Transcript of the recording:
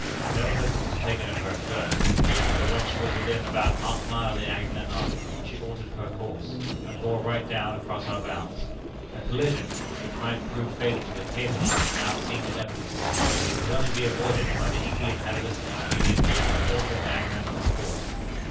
No notice was taken of her at first, but when she was within about half a mile of the Agamemnon she altered her course, and bore right down across our bows. A collision, which might prove fatal to the cable, now seemed inevitable, or could only be avoided by the equally hazardous expedient of altering the Agamemnon's course.